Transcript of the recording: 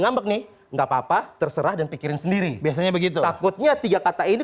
ngambek nih enggak apa apa terserah dan pikirin sendiri biasanya begitu takutnya tiga kata ini